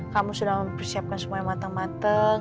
kamu sudah mempersiapkan semuanya matang matang